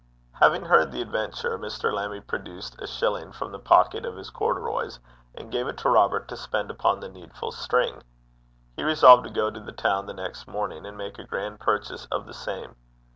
Having heard the adventure, Mr. Lammie produced a shilling from the pocket of his corduroys, and gave it to Robert to spend upon the needful string. He resolved to go to the town the next morning and make a grand purchase of the same.